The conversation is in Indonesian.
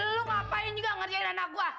lu ngapain juga ngerjain anak gue